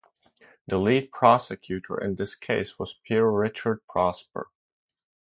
The lead prosecutor in this case was Pierre-Richard Prosper.